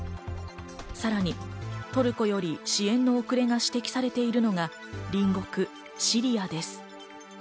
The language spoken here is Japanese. さらにトルコより支援の遅れが指摘されているのが、隣国シリアです。